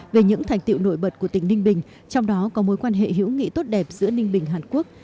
về những thành tiệu nổi bật của tỉnh ninh bình trong đó có mối quan hệ hữu nghị tốt đẹp giữa ninh bình hàn quốc